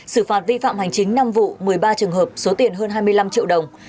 xử phạt vi phạm hành chính năm vụ một mươi ba trường hợp số tiền hơn hai mươi năm triệu đồng